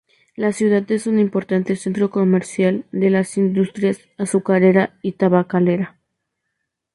La ciudad es un importante centro comercial de las industrias azucarera y tabacalera.